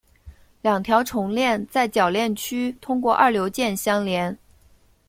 两条重链在铰链区通过二硫键相连。